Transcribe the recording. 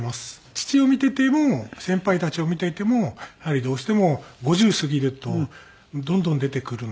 父を見ていても先輩たちを見ていてもやはりどうしても５０過ぎるとどんどん出てくるので。